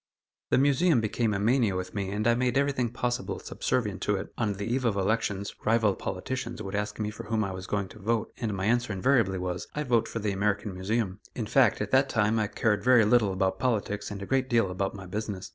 The Museum became a mania with me and I made everything possible subservient to it. On the eve of elections, rival politicians would ask me for whom I was going to vote, and my answer invariably was, "I vote for the American Museum." In fact, at that time, I cared very little about politics, and a great deal about my business.